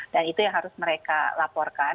dan itu yang harus mereka laporkan